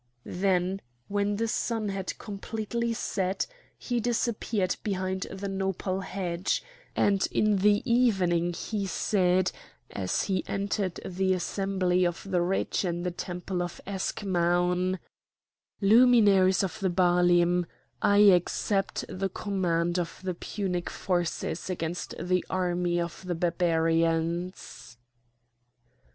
Then when the sun had completely set he disappeared behind the nopal hedge, and in the evening he said as he entered the assembly of the rich in the temple of Eschmoun: "Luminaries of the Baalim, I accept the command of the Punic forces against the army of the Barbarians!"